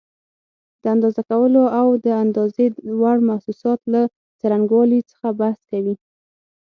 د اندازه کولو او د اندازې وړ محسوساتو له څرنګوالي څخه بحث کوي.